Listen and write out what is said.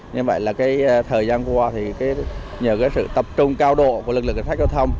như vậy là thời gian qua nhờ sự tập trung cao độ của lực lượng cơ sở giao thông